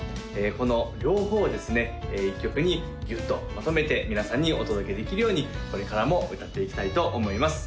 この両方をですね一曲にギュッとまとめて皆さんにお届けできるようにこれからも歌っていきたいと思います